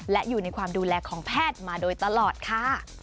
และอยู่ในความดูแลของแพทย์มาโดยตลอดค่ะ